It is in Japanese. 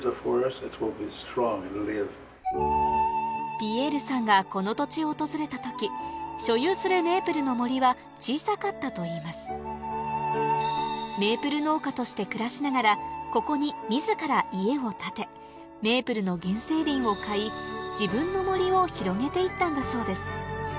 ピエールさんがこの土地を訪れた時所有するメープルの森は小さかったといいますメープル農家として暮らしながらここに自ら家を建てメープルの原生林を買い自分の森を広げていったんだそうです